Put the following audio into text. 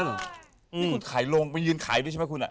นี่คุณขายลงมือหรือไม่ใช่มะคุณ